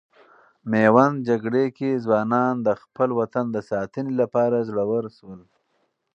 میوند جګړې کې ځوانان د خپل وطن د ساتنې لپاره زړور سول.